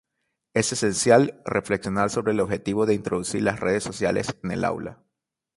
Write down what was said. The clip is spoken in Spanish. Es esencial reflexionar sobre el objetivo de introducir las redes sociales en el aula.